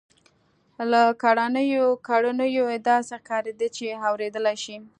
له کړنو یې داسې ښکارېده چې اورېدلای شي